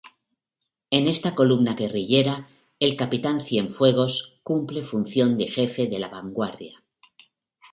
En esta columna guerrillera, el capitán Cienfuegos cumple función de jefe de la vanguardia.